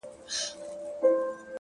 پرمختګ د نن له پرېکړو جوړېږي،